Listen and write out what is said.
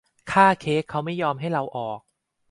ค่าเค้กเขาไม่ยอมให้เราออก